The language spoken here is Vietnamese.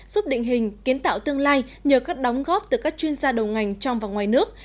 giúp định hình kiến tạo tương lai nhờ các đóng góp từ các chuyên gia đầu ngành trong và ngoài nước